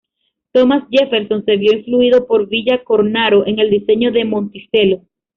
Thomas Jefferson se vio influido por Villa Cornaro en el diseño de Monticello.